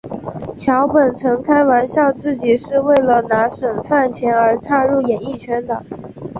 桥本曾开玩笑自己是为了拿省饭钱而踏入演艺圈的。